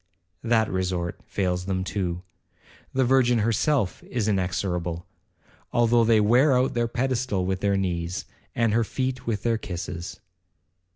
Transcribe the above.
That resort fails them too,—the Virgin herself is inexorable, though they wear out her pedestal with their knees, and her feet with their kisses.